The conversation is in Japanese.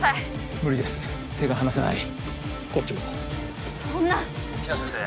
無理です手が離せないこっちもそんな比奈先生